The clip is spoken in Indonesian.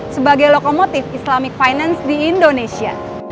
sebagai lokomotif islamic finance di indonesia